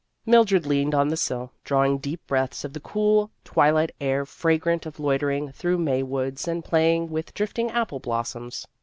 Mildred leaned on the sill, drawing deep breaths of the cool twilight air fragrant of loitering through May woods and playing with drifting apple blossoms.